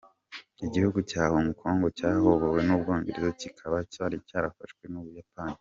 Igihugu cya Hong Kong cyabohowe n’u Bwongereza kikaba cyari cyarafashwe n’u Buyapani.